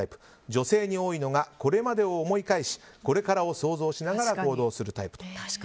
女性に多いのがこれまでを思い返しこれからを想像しながら行動するタイプ。